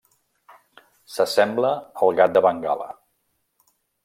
S'assembla al gat de Bengala.